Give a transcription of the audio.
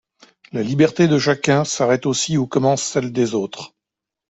La liberté de chacun s’arrête aussi où commence celle des autres.